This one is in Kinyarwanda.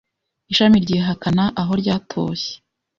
ishami ryihakana aho ryatoshye.